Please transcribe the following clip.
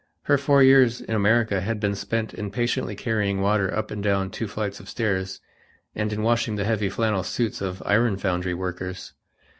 Her four years in America had been spent in patiently carrying water up and down two flights of stairs, and in washing the heavy flannel suits of iron foundry workers.